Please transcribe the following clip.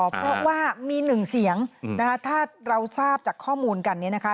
เพราะว่ามีหนึ่งเสียงนะคะถ้าเราทราบจากข้อมูลกันเนี่ยนะคะ